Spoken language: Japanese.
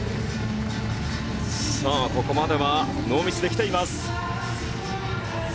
さあここまではノーミスできています。